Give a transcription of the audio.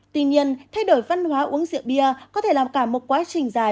tuy nhiên thay đổi văn hóa uống rượu bia có thể làm cả một quá trình dài